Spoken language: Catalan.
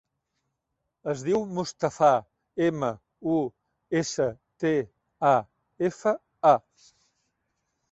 Es diu Mustafa: ema, u, essa, te, a, efa, a.